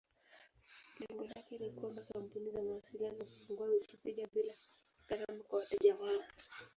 Lengo lake ni kuomba kampuni za mawasiliano kufungua Wikipedia bila gharama kwa wateja wao.